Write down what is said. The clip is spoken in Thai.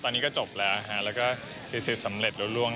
ตอนนี้ก็จบแล้วค่ะแล้วก็ทีสิทธิ์สำเร็จร่วง